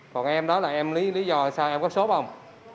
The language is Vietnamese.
còn em đó là em lý do sao em có xốp không